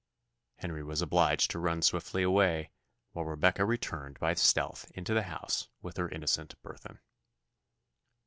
Henry was obliged to run swiftly away, while Rebecca returned by stealth into the house with her innocent burthen.